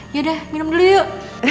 yaudah minum dulu yuk